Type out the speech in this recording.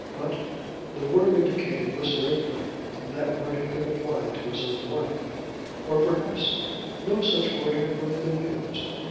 But the word indicated was very plain, and that word had been applied to his own wife. Or, perhaps, no such word had really been used.